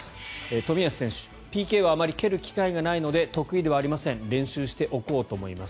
冨安選手ＰＫはあまり蹴る機会がないので得意ではありません練習しておこうと思います。